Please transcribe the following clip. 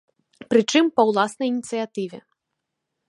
Прычым, па ўласнай ініцыятыве.